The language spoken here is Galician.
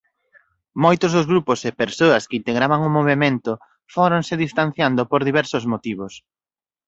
Moitos dos grupos e persoas que integraban o movemento fóronse distanciando por diversos motivos.